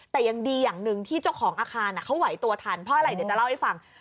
แต่ยังดีอย่างหนึ่งที่เจ้าของอาคารเขาไหวตัวทันเพราะอะไรเดี๋ยวจะเล่าให้ฟัง